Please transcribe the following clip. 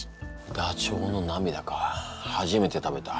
ダチョウの涙か初めて食べた。